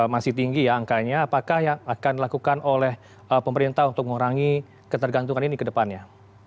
masih tinggi ya angkanya apakah yang akan dilakukan oleh pemerintah untuk mengurangi ketergantungan ini ke depannya